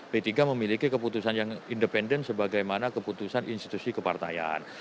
p tiga memiliki keputusan yang independen sebagaimana keputusan institusi kepartaian